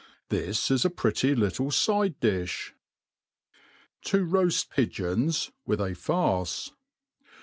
This is a pretty little f|de diib. Ti roaft Pigeons with a Farce.